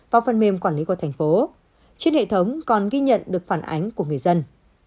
vào phần mềm quản lý của thành phố trên hệ thống còn ghi nhận được phản ánh của người dân